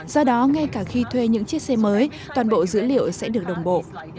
do đó ngay cả khi thuê những chiếc xe mới toàn bộ dữ liệu sẽ được đồng bộ